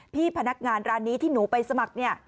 พี่พนักงานร้านนี้ที่หนูไปสมัครเนี่ย